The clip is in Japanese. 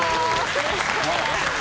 よろしくお願いします。